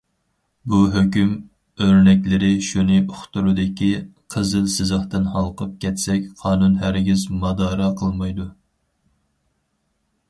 بۇ ھۆكۈم ئۆرنەكلىرى شۇنى ئۇقتۇرىدۇكى: قىزىل سىزىقتىن ھالقىپ كەتسەك، قانۇن ھەرگىز مادارا قىلمايدۇ.